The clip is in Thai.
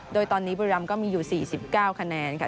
โดยตอนนี้บุรีรำก็มีอยู่๔๙คะแนนค่ะ